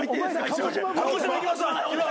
鹿児島行きますわ。